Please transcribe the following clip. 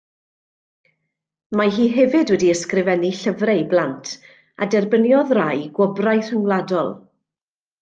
Mae hi hefyd wedi ysgrifennu llyfrau i blant, a derbyniodd rai gwobrau rhyngwladol.